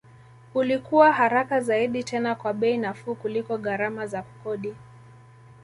Ulikuwa haraka zaidi tena kwa bei nafuu kuliko gharama za kukodi